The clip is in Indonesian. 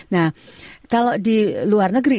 nah kalau di luar negeri